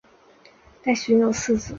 戴喜云有四子。